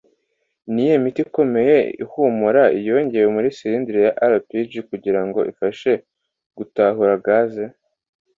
Niyihe miti ikomeye ihumura yongewe kuri silinderi ya LPG kugirango ifashe mugutahura gaze